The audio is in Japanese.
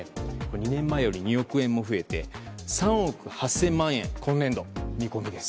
２年前より２億円も増えて３億８０００万円今年度、見込みです。